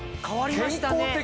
変わりましたね。